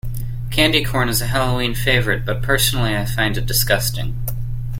Candy corn is a Halloween favorite, but personally I find it disgusting.